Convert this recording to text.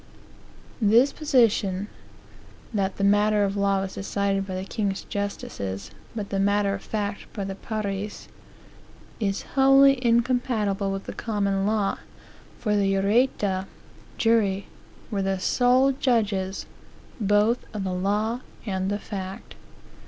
"This position" (that " the matter of law was decided by the King's Justices, but the matter of fact by the pares ") "is wholly incompatible with the common law, for the Jurata ( jury) were the sole judges both of the law and the fact."